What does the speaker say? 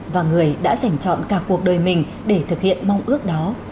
và người đã giành chọn cả cuộc đời mình để thực hiện mong ước đó